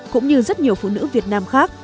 cũng như rất nhiều phụ nữ việt nam khác